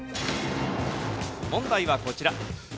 問題はこちら。